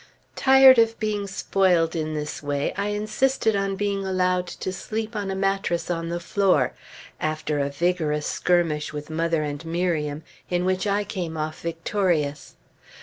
Tired of being spoiled in this way, I insisted on being allowed to sleep on a mattress on the floor, after a vigorous skirmish with mother and Miriam, in which I came off victorious.